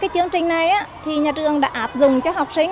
chương trình này nhà trường đã tạo ra một bài học đạo đức hồ chí minh